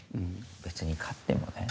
別に勝ってもね